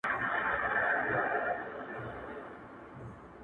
o گراني خبري سوې پرې نه پوهېږم.